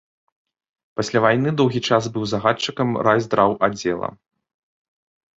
Пасля вайны доўгі час быў загадчыкам райздраўаддзела.